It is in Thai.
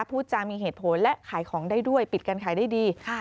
พูดจามีเหตุผลและขายของได้ด้วยปิดการขายได้ดี